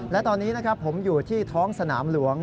และตอนนี้นะครับผมอยู่ที่ท้องสนามหลวง